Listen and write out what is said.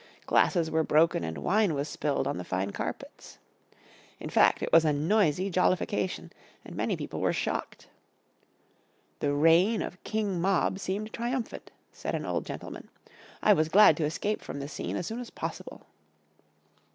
Glasses were broken, and wine was spilled on the fine carpets. In fact, it was a noisy jollification and many people were shocked. "The reign of King Mob seemed triumphant," said an old gentleman; "I was glad to escape from the scene as soon as possible."